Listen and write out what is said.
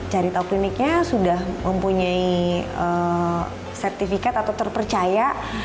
cari tahu kliniknya sudah mempunyai sertifikat atau terpercaya